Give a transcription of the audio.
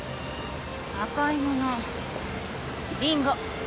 赤いものリンゴ！